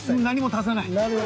何も足さない。